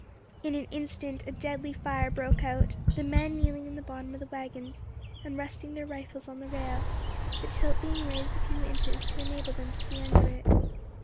In an instant a deadly fire broke out, the men kneeling in the bottom of the waggons and resting their rifles on the rail, the tilt being raised a few inches to enable them to see under it.